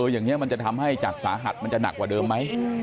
อย่างนี้มันจะทำให้จากสาหัสมันจะหนักกว่าเดิมไหม